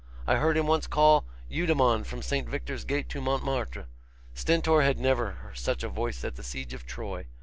I heard him once call Eudemon from St. Victor's gate to Montmartre. Stentor had never such a voice at the siege of Troy.